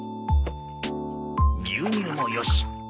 牛乳もよし。